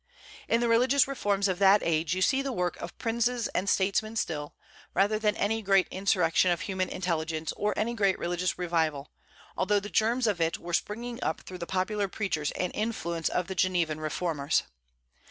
In the religious reforms of that age you see the work of princes and statesmen still, rather than any great insurrection of human intelligence or any great religious revival, although the germs of it were springing up through the popular preachers and the influence of Genevan reformers.